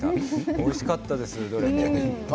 おいしかったです。